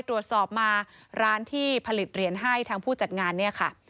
ตรวจสอบมาร้านที่ผลิตเหรียญให้ทางผู้จัดงานเนี่ยค่ะ